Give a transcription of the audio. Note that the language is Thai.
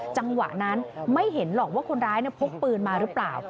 จังหวะนั้นไม่เห็นหรอกว่าคนร้ายพกปืนมาหรือเปล่า